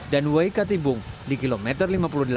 dan wai katibung di kilometer lima puluh delapan